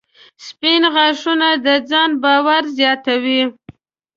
• سپین غاښونه د ځان باور زیاتوي.